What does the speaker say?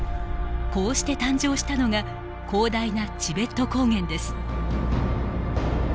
こうして誕生したのが広大なチベット高原です。